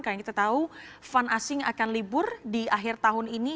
karena kita tahu fund asing akan libur di akhir tahun ini